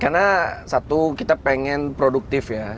karena satu kita pengen produktif ya